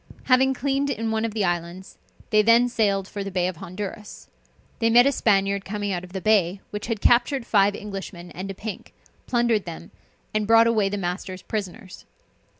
Having cleaned in one of the islands, they then sailed for the bay of Honduras. They met a Spaniard coming out of the bay, which had captured five Englishmen and a pink, plundered them, and brought away the masters prisoners.